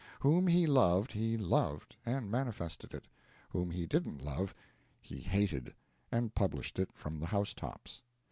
Whom he loved he loved, and manifested it; whom he didn't love he hated, and published it from the housetops.